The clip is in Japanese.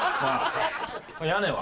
屋根は？